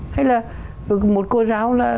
hay là một cô giáo là